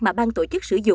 mà ban tổ chức sử dụng